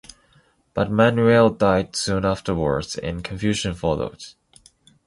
But Manuel died soon afterwards and confusion followed.